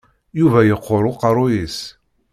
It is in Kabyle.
Yuba yeqqur uqerru-is.